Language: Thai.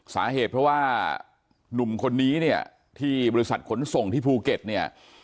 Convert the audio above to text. สาเหตุเพราะว่าหนุ่มคนนี้เนี่ยที่บริษัทขนส่งที่ภูเก็ตเนี่ย